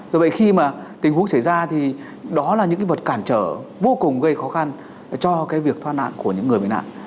do vậy khi mà tình huống xảy ra thì đó là những cái vật cản trở vô cùng gây khó khăn cho cái việc thoát nạn của những người bị nạn